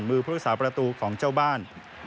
มือผู้สาวประตูของเจ้าบ้าน